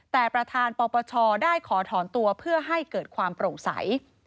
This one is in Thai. แต่ประธานปปชได้ขอถอนตัวเพื่อให้เกิดความโปร่งใส